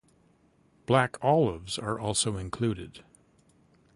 Black olives are also often included.